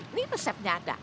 ini resepnya ada